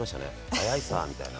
早いさみたいな。